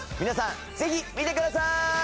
皆さんぜひ見てください！